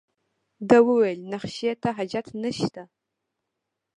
ده وویل نخښې ته حاجت نشته.